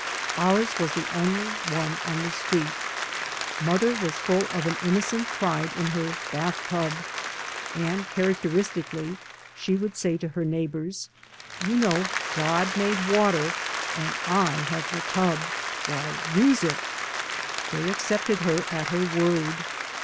Ours was the only one on the street. Mother was full of an innocent pride in her bath tub, and characteristically, she would say to her neighbours, " You know God made water, and I have the tub. Why, use it !" They accepted her at her word.